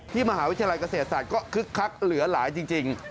มหาวิทยาลัยเกษตรศาสตร์ก็คึกคักเหลือหลายจริง